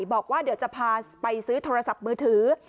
บอกว่าเดี๋ยวจะพาไปซื้อโทรศัพท์มือถือ